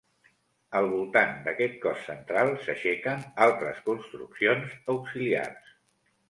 Al voltant d'aquest cos central s'aixequen altres construccions auxiliars.